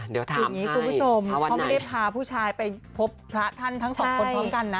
เดี๋ยวถามอย่างนี้คุณผู้ชมเขาไม่ได้พาผู้ชายไปพบพระท่านทั้งสองคนพร้อมกันนะ